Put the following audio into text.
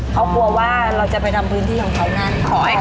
เขาบอกเขายังไงตอนนั้น